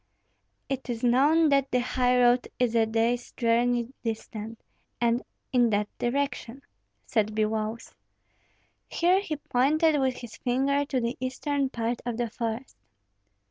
"It is known that the highroad is a day's journey distant, and in that direction," said Biloüs. Here he pointed with his finger to the eastern part of the forest.